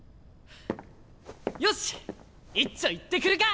よしいっちょ行ってくるか！